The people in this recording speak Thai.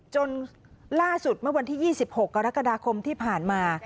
จนล่าสุดเมื่อวันที่๒๖กรกฎาคมที่ผ่านมา